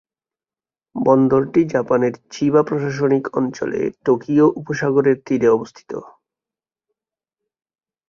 বন্দরটি জাপানের চিবা প্রশাসনিক অঞ্চলে টোকিও উপসাগরের তীরে অবস্থিত।